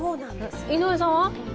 井上さんは？